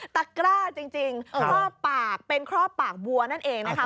ตะกร้าจริงครอบปากเป็นครอบปากบัวนั่นเองนะคะ